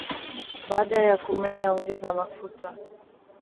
Baada ya kumenya ongeza mafuta